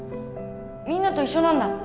みんなと一緒なんだ。